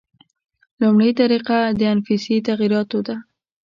لومړۍ طریقه د انفسي تغییراتو ده.